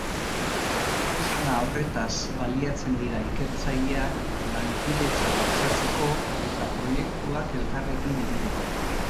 Tresna horretaz baliatzen dira ikertzaileak lankidetza bultzatzeko eta proiektuak elkarrekin egiteko.